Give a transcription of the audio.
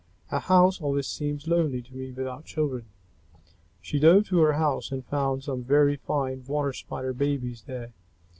A house always seems lonely to me without children." She dove to her house, and found some very fine Water Spider babies there.